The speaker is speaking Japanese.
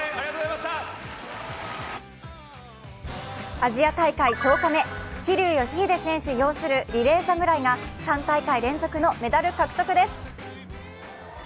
アジア大会１０日目、桐生祥秀選手擁するリレー侍が３大会連続のメダル獲得です。